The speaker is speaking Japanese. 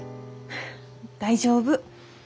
大丈夫。